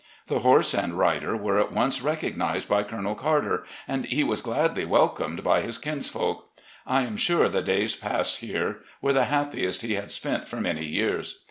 The horse and rider were at once recognised by Colonel Carter, and he was gladly welcomed by his kinsfolk. I am sure the days passed here were the happiest he had spent for many years.